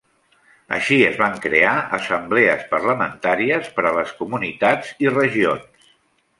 Així es van crear assemblees parlamentàries per a les comunitats i regions.